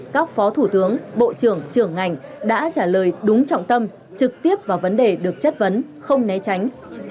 các phó thủ tướng bộ trưởng trưởng ngành đã trả lời đúng trọng tâm trực tiếp vào vấn đề được chất vấn không né tránh